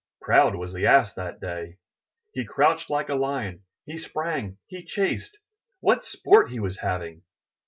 Proud was the Ass that day. He crouched like a Lion, he sprang, he chased! What sport he was having!